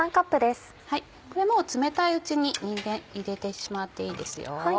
これもう冷たいうちににんじん入れてしまっていいですよ。